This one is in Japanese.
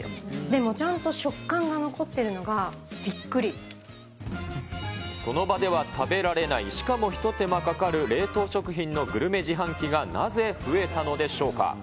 でもちゃんと食感が残っているのが、その場では食べられない、しかも一手間かかる冷凍食品のグルメ自販機がなぜ増えたのでしょうか。